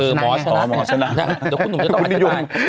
คุณหยุดต่ออันไลน์ไปคุณหยุดต่ออันไลน์ไปคุณหยุดต่ออันไลน์ไป